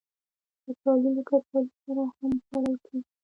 کچالو له کچالو سره هم خوړل کېږي